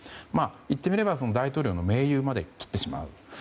言ってみれば、大統領の盟友まで切ってしまう。